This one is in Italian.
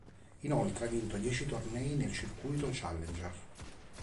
Inoltre, ha vinto dieci tornei nel circuito Challenger.